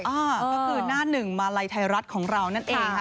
ก็คือหน้าหนึ่งมาลัยไทยรัฐของเรานั่นเองค่ะ